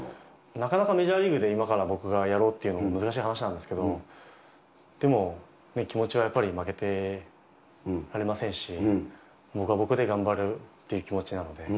なかなかメジャーリーグで、今から僕がやろうっていうのは難しい話なんですけど、でも気持ちはやっぱり負けてられませんし、僕は僕で頑張るっていう気持ちなので。